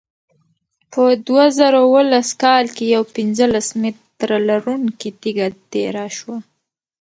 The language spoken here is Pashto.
په دوه زره اوولس کال کې یوه پنځلس متره لرونکې تیږه تېره شوه.